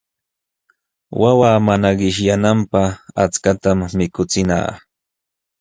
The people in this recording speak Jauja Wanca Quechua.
Wawa mana qishyananpaq achkatam mikuchina.